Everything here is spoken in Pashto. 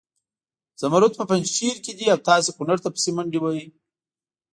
زمرود په پنجشیر کې دي او تاسې کنړ ته پسې منډې وهئ.